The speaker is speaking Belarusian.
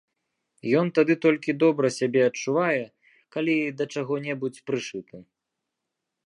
Ён тады толькі добра сябе адчувае, калі да чаго-небудзь прышыты.